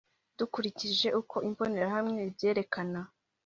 dukurikije uko imbonerahamwe ibyerekana